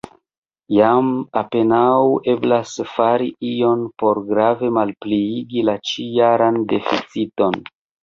Jam apenaŭ eblas fari ion por grave malpliigi la ĉi-jaran deficiton.